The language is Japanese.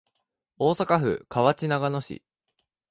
大阪府河内長野市